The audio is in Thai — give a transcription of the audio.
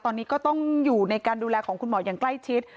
ตอนนี้ก็ต้องอยู่ในการดูแลของคุณหมออย่างใกล้ชิด